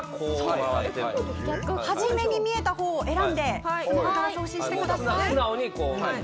初めに見えた方を選んでスマホから送信してください。